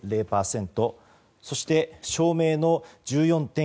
そして、照明の１４．９％。